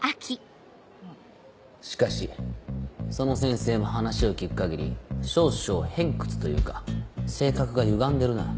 しかしその先生も話を聞く限り少々偏屈というか性格がゆがんでるな。